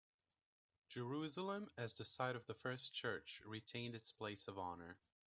Jerusalem, as the site of the first Church, retained its place of honor.